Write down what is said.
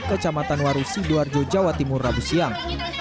kecamatan waru sidoarjo jawa timur rabu siang